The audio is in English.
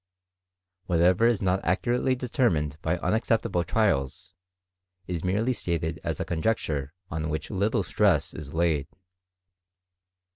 Whatever is not accurately determined by' unexceptionable trials, is merely stated as a conjecture on which little strras is laid.